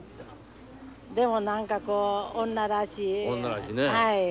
でも何かこう女らしい。